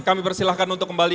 kami persilahkan untuk kembali